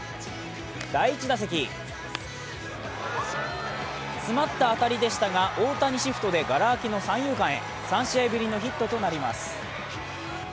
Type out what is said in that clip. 第１打席、詰まった当たりでしたが大谷シフトでがら空きの３遊間で、３試合ぶりのヒットとなります。